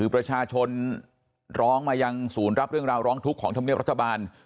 ประชาชนร้องมายังศูนย์รับเรื่องราวร้องทุกข์ของธรรมเนียบรัฐบาล